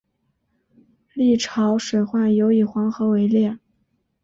历朝水患尤以黄河为烈。